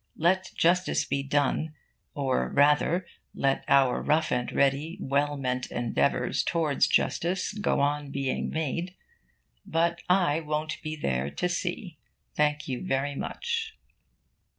Let justice be done. Or rather, let our rough and ready, well meant endeavours towards justice go on being made. But I won't be there to see, thank you very much.